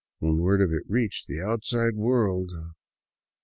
When word of it reached the outside world